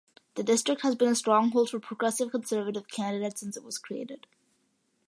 The district has been a stronghold for Progressive Conservative candidates since it was created.